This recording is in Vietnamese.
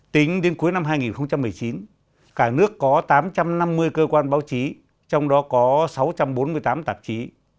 tính đến cuối năm hai nghìn một mươi chín cả nước có tám trăm năm mươi cơ quan báo chí trong đó có sáu trăm bốn mươi tám tạp chí